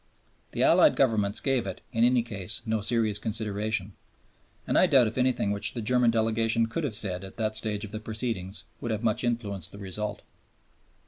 The Allied governments gave it, in any case, no serious consideration, and I doubt if anything which the German delegation could have said at that stage of the proceedings would have much influenced the result.